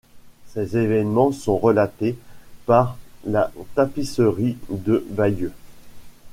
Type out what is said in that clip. Ces évènements sont relatés par la Tapisserie de Bayeux.